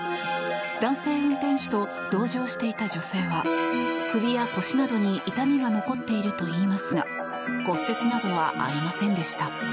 男性運転手と同乗していた女性は首や腰などに痛みが残っているといいますが骨折などはありませんでした。